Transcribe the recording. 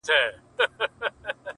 خو بېرېږم کار یې خره ته دی سپارلی،